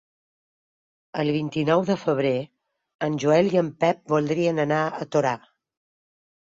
El vint-i-nou de febrer en Joel i en Pep voldrien anar a Torà.